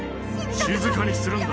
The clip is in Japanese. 静かにするんだ。